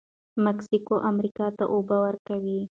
مکسیکو امریکا ته اوبه ورکوي.